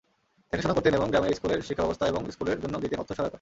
দেখাশোনা করতেন গ্রামের স্কুলের শিক্ষাব্যবস্থা এবং স্কুলের জন্য দিতেন অর্থ সহায়তা।